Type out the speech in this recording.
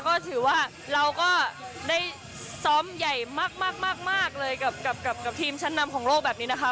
ก็ถือว่าเราก็ได้ซ้อมใหญ่มากเลยกับทีมชั้นนำของโลกแบบนี้นะคะ